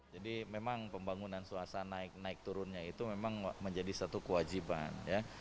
jadi memang pembangunan suasana naik naik turunnya itu memang menjadi satu kewajiban